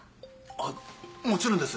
あっもちろんです。